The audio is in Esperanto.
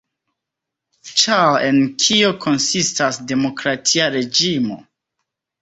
Ĉar en kio konsistas demokratia reĝimo?